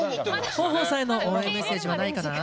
豊豊さんへの応援メッセージはないかな？